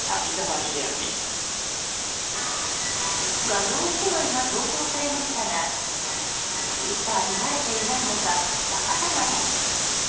画像１枚が投稿されましたがツイッターに慣れていないのか逆さまです。